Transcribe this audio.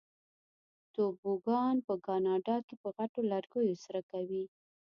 توبوګان په کاناډا کې په غټو لرګیو سره کوي.